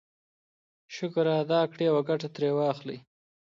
شکر ادا کړئ او ګټه ترې واخلئ.